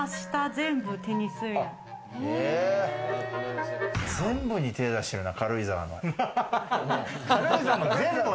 全部に手だしてるなぁ、軽井沢の。